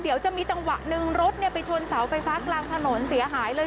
เดี๋ยวจะมีจังหวะหนึ่งรถไปชนเสาไฟฟ้ากลางถนนเสียหายเลย